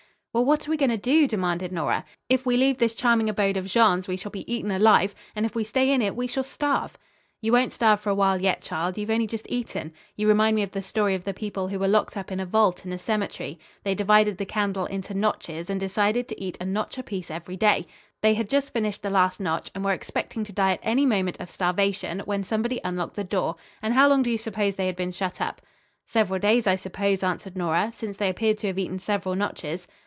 "Well, what are we going to do?" demanded Nora. "If we leave this charming abode of Jean's, we shall be eaten alive, and if we stay in it we shall starve." "You won't starve for a while yet, child. You have only just eaten. You remind me of the story of the people who were locked up in a vault in a cemetery. They divided the candle into notches and decided to eat a notch apiece every day. They had just finished the last notch, and were expecting to die at any moment of starvation, when somebody unlocked the door, and how long do you suppose they had been shut up!" "Several days, I suppose," answered Nora, "since they appeared to have eaten several notches."